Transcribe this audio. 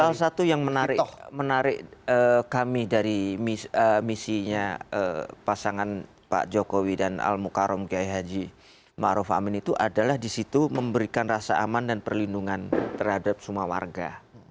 salah satu yang menarik kami dari misinya pasangan pak jokowi dan al mukarum kiai haji ⁇ maruf ⁇ amin itu adalah disitu memberikan rasa aman dan perlindungan terhadap semua warga